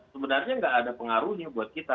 sebenarnya nggak ada pengaruhnya buat kita